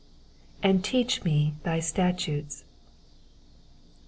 '''•And teach me thy statutes.''''